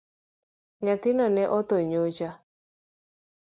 Nyathino ne otho nyocha